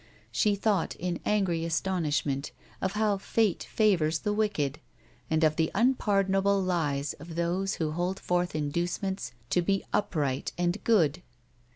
She thought in angry astonishment of how fate favoxirs the wicked, and of the unpardonable lies of those who hold forth induce ments to be upright and good.